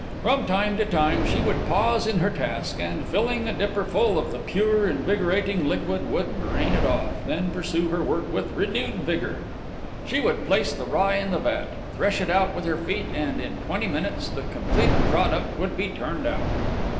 From time to time she would pause in her task, and, filling a dipper full of the pure, invigorating liquid, would drain it off then pursue her work with renewed vigor. She would place the rye in the vat, thresh it out with her feet and, in twenty minutes, the completed product would be turned out.